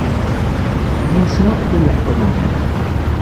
Museo de La Coruña.